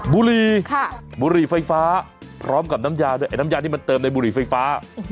บุรีบุหรี่ไฟฟ้าพร้อมกับน้ำยาด้วยไอน้ำยาที่มันเติมในบุหรี่ไฟฟ้า